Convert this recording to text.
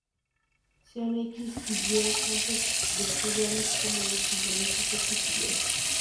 Sean "X" y "Y" campos vectoriales con los componentes "X" y "Y".